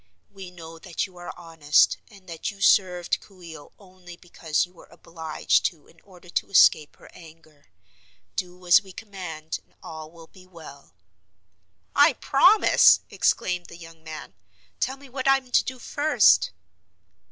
"We know that you are honest and that you served Coo ee oh only because you were obliged to in order to escape her anger. Do as we command and all will be well." "I promise!" exclaimed the young man. "Tell me what I am to do first."